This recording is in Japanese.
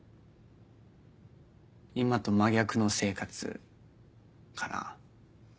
今と真逆の生活かな。